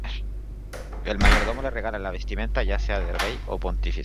El mayordomo le regala la vestimenta ya sea de rey o pontífice.